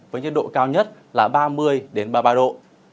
với nhiệt độ cao nhất là ba mươi ba mươi ba độ